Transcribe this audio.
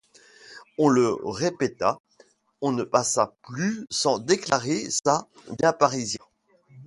On le répéta, on ne passa plus sans déclarer ça bien parisien.